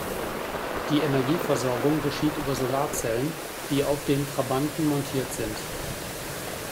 Die Energieversorgung geschieht über Solarzellen, die auf den Trabanten montiert sind.